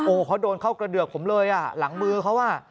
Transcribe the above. โอ้เขาโดนเข้ากระเดือกผมเลยหลังมือเขา